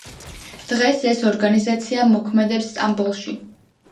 დღეს ეს ორგანიზაცია მოქმედებს სტამბოლში.